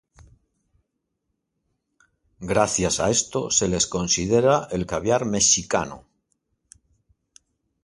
Gracias a esto se les considera "El Caviar Mexicano".